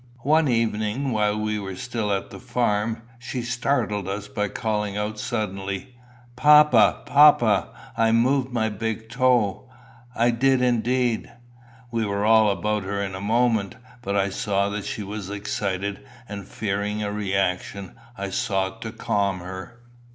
One evening, while we were still at the farm, she startled us by calling out suddenly, "Papa, papa! I moved my big toe! I did indeed." We were all about her in a moment. But I saw that she was excited, and fearing a reaction I sought to calm her.